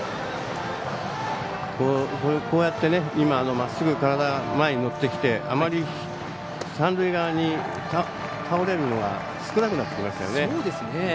まっすぐ体前に乗ってきてあまり三塁側に倒れるのは少なくなってきましたよね。